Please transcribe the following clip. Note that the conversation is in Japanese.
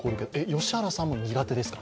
良原さんも苦手ですか？